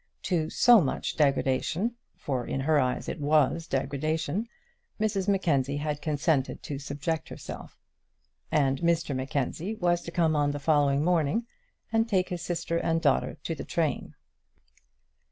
To so much degradation for in her eyes it was degradation Mrs Mackenzie had consented to subject herself; and Mr Mackenzie was to come on the following morning, and take his sister and daughter to the train.